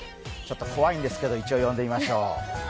ちょっと怖いんですけど、一応呼んでみましょう。